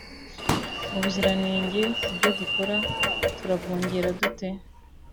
ubuziranenge ku byo dukora turabwongera dute